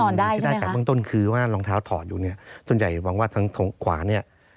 ข้อมูลที่ได้จากเบื้องต้นคือว่ารองเท้าถอดอยู่ส่วนใหญ่วางว่าทางขวานี้